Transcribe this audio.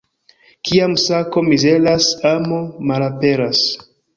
Kiam sako mizeras, amo malaperas.